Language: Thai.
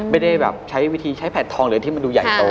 ไม่ได้แบบใช้แผ่นทองเลยที่มันดูใหญ่โต